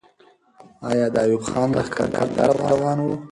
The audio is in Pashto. آیا د ایوب خان لښکر کندهار ته روان وو؟